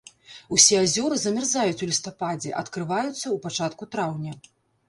Усе азёры замярзаюць у лістападзе, адкрываюцца ў пачатку траўня.